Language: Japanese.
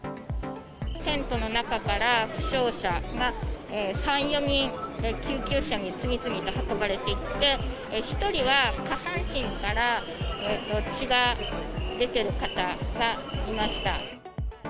テントの中から、負傷者が３、４人、救急車に次々と運ばれていって、１人は下半身から血が出てる方がいました。